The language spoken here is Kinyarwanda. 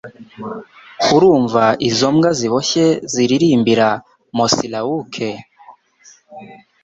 Urumva izo mbwa ziboshye ziririmbira Moosilauke?